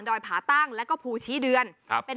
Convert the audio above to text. สุดยอดน้ำมันเครื่องจากญี่ปุ่น